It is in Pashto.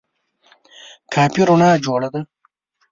کافي رڼا جوړه کړه !